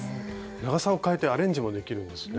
長さをかえてアレンジもできるんですね。